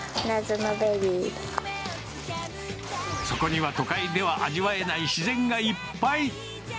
そこには都会では味わえない自然がいっぱい。